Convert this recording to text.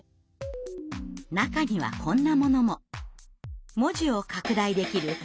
中にはこんなものも。